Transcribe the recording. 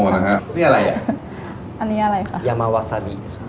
นี่อะไร